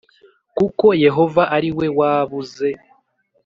kuko Yehova ari we wab uze